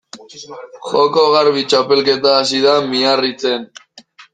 Joko Garbi txapelketa hasi da Miarritzen.